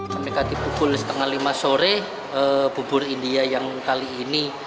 sampai tadi pukul setengah lima sore bubur india yang kali ini